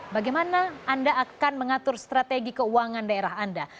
bagaimana anda akan mengatur strategi keuangan daerah anda